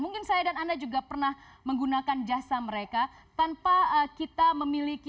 mungkin saya dan anda juga pernah menggunakan jasa mereka tanpa kita memiliki